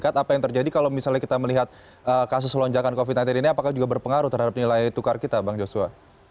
apa yang terjadi kalau misalnya kita melihat kasus lonjakan covid sembilan belas ini apakah juga berpengaruh terhadap nilai tukar kita bang joshua